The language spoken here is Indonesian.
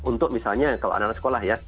untuk misalnya kalau anak anak sekolah ya